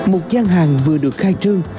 một gian hàng vừa được khai trương